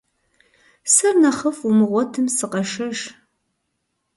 Сэр нэхъыфI умыгъуэтым, сыкъэшэж.